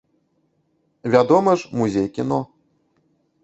Вядома ж, музей кіно.